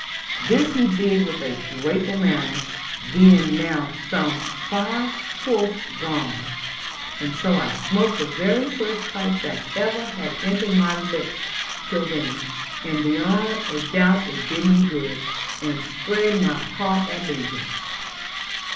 This he did with a grateful manner, being now some five fourths gone; and so I smoked the very first pipe that ever had entered my lips till then; and beyond a doubt it did me good, and spread my heart at leisure.